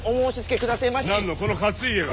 何のこの勝家が！